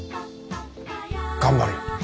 頑張るよ！